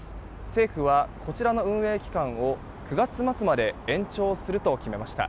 政府は、こちらの運営期間を９月末まで延長すると決めました。